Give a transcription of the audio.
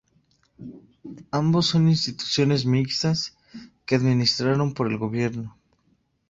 Ambos son instituciones mixtas que administraron por el gobierno.